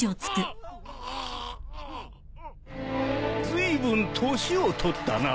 ずいぶん年を取ったな。